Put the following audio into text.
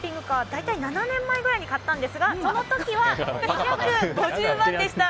大体７年前くらいに買ったんですがその時は８５０万でした。